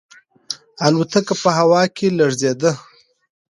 الوتکه په هوا کې لړزیده.